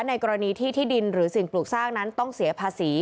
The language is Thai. ในกรณีที่ที่ดินหรือสิ่งปลูกสร้างนั้นต้องเสียภาษี